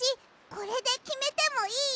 これできめてもいい？